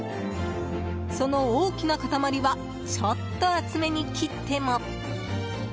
その大きな塊はちょっと厚めに切っても。